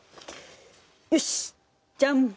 よしジャン！